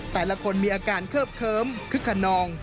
แต่ละคนมีอาการเคิบเคิ้มคึกขนอง